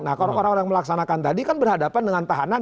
nah orang orang yang melaksanakan tadi kan berhadapan dengan tahanan